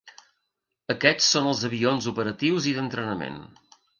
Aquests són els avions operatius i d'entrenament.